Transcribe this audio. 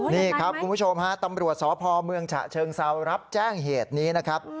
นี่ครับคุณผู้ชมฮะตำรวจสพเมืองฉะเชิงเซารับแจ้งเหตุนี้นะครับ